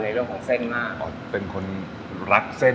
ก็เลยเริ่มต้นจากเป็นคนรักเส้น